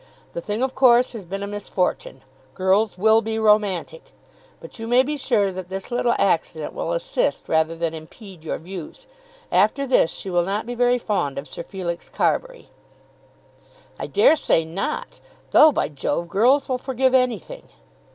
The thing of course has been a misfortune. Girls will be romantic. But you may be sure that this little accident will assist rather than impede your views. After this she will not be very fond of Sir Felix Carbury." "I dare say not. Though, by Jove, girls will forgive anything."